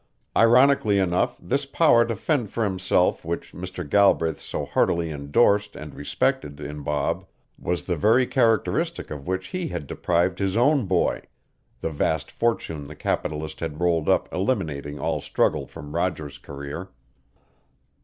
Ironically enough, this power to fend for himself which Mr. Galbraith so heartily endorsed and respected in Bob was the very characteristic of which he had deprived his own boy, the vast fortune the capitalist had rolled up eliminating all struggle from Roger's career.